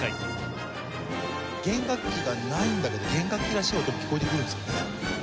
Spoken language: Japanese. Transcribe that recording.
弦楽器がないんだけど弦楽器らしい音が聞こえてくるんですよね。